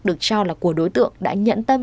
được cho là của đối tượng đã nhẫn tâm